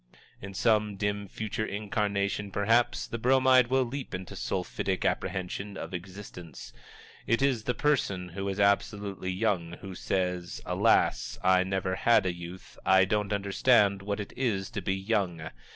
In some dim future incarnation, perhaps, the Bromide will leap into sulphitic apprehension of existence. It is the person who is Absolutely Young who says, "Alas, I never had a youth I don't understand what it is to be young!"